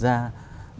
đều đặt ra